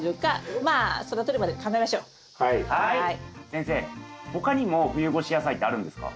先生他にも冬越し野菜ってあるんですか？